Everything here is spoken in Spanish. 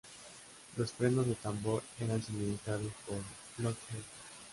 Los frenos de tambor eran suministrados por Lockheed.